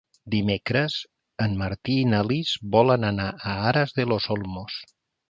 Dimecres en Martí i na Lis volen anar a Aras de los Olmos.